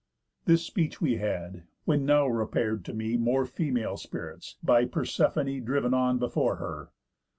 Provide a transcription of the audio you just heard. This speech we had; when now repair'd to me More female spirits, by Persephoné Driv'n on before her.